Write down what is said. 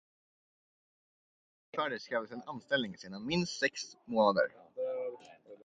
När bestämmelsen infördes krävdes en anställning sedan minst sex månader.